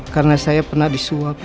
karena saya pernah disuap